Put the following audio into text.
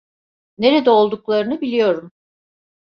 Nerede olduklarını biliyorum.